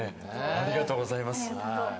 ありがとうございます。